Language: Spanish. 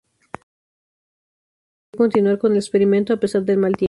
Sin embargo, se decidió continuar con el experimento a pesar del mal tiempo.